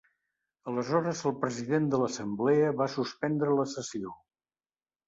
Aleshores el president de l’assemblea va suspendre la sessió.